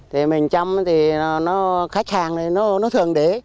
thì mình chăm thì khách hàng nó thường đế